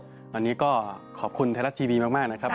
วันนี้ก็ขอบคุณไทยรัฐทีวีมากนะครับ